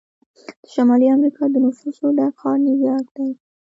د شمالي امریکا د نفوسو ډک ښار نیویارک دی.